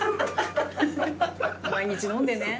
毎日飲んでね。